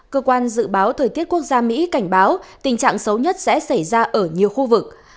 cơ quan dự báo thời tiết quốc gia mỹ cảnh báo tình trạng xấu nhất sẽ xảy ra ở nhiều khu vực